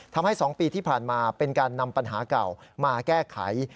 ทำให้๒ปีที่ผ่านมาเป็นการนำปัญหาเก่ามาแก้ไข